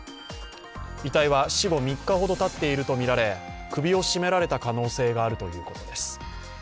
遺体は死後３日ほどたっているとみられ首を絞められた可能性があるということです。